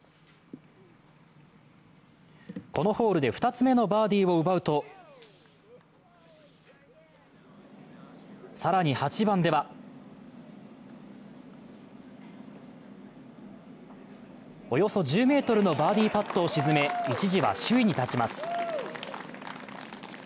このホールで２つ目のバーディーを奪うと更に８番ではおよそ１０ｍのバーディーパットを沈め一時は首位に立ちます。